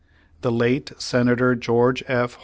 The late Senator George F.